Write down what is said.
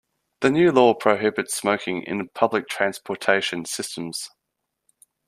The new law prohibits smoking in public transportation systems.